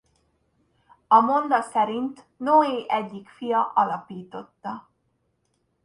A monda szerint Noé egyik fia alapította.